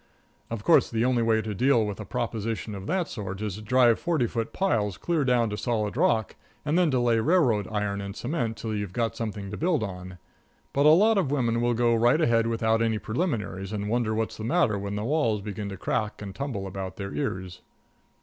Of course, the only way to deal with a proposition of that sort is to drive forty foot piles clear down to solid rock and then to lay railroad iron and cement till you've got something to build on. But a lot of women will go right ahead without any preliminaries and wonder what's the matter when the walls begin to crack and tumble about their ears.